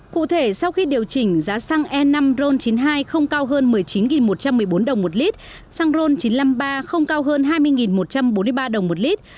cụ thể sau khi điều chỉnh giá xăng e năm ron chín mươi hai không cao hơn một mươi chín một trăm một mươi bốn đồng một lít xăng ron chín trăm năm mươi ba không cao hơn hai mươi một trăm bốn mươi ba đồng một lít